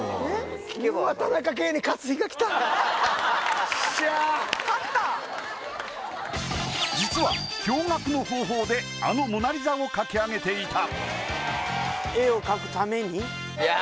勝った実は驚愕の方法であのモナ・リザを描き上げていた！